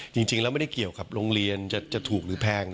จริงแล้วไม่ได้เกี่ยวกับโรงเรียนจะถูกหรือแพง